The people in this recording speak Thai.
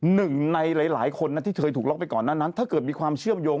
หนึ่งในหลายคนนะที่เคยถูกล็อกไปก่อนหน้านั้นถ้าเกิดมีความเชื่อมโยง